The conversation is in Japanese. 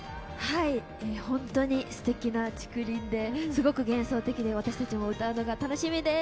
本当にすてきな竹林で、すごく幻想的で私たちも歌うのが楽しみです。